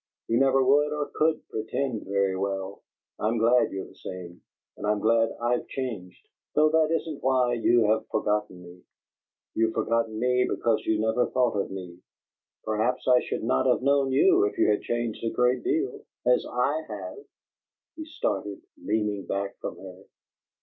"You never would or could pretend very well. I'm glad you're the same, and I'm glad I've changed, though that isn't why you have forgotten me. You've forgotten me because you never thought of me. Perhaps I should not have known you if you had changed a great deal as I have!" He started, leaning back from her.